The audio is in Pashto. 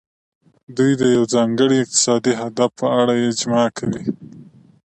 دوی د یو ځانګړي اقتصادي هدف په اړه اجماع کوي